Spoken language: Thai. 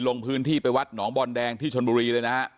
ลงพื้นที่ไปวัดหนองบอลแดงที่ชนบุรีเลยนะฮะ